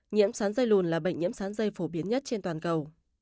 nhiễm sán dây lùn là bệnh nhiễm sán dây phổ biến nhất trên toàn cầu